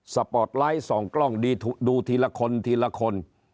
ปอร์ตไลท์ส่องกล้องดูทีละคนทีละคน